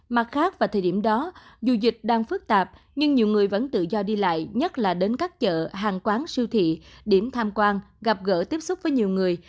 mặt khác vào thời điểm đó dù dịch đang phức tạp nhưng nhiều người vẫn tự do đi lại nhất là đến các chợ hàng quán siêu thị điểm tham quan gặp gỡ tiếp xúc với nhiều người